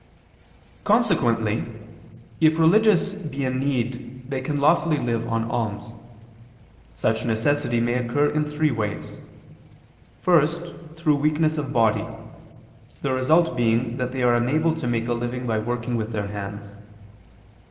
Consequently if religious be in need they can lawfully live on alms. Such necessity may occur in three ways. First, through weakness of body, the result being that they are unable to make a living by working with their hands.